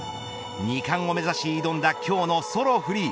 ２冠を目指し挑んだ今日のソロフリー。